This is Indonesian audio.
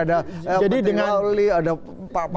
ada menteri lawli ada pak mahfud